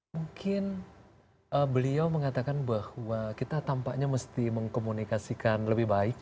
mungkin beliau mengatakan bahwa kita tampaknya mesti mengkomunikasikan lebih baik